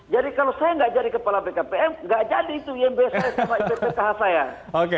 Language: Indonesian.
jadi kalau saya nggak jadi kepala bkpm nggak jadi itu imb nya sama ippkh saya